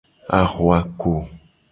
Ahuako.